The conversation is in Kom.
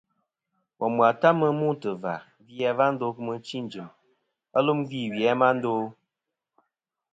Bòm ghà ta mɨ n-mûtɨ̀ vâ, gvi a wa ndo kɨ̀ mɨchi ɨ̀n jɨ̀m, wa lum gvî wì a ma ndo a?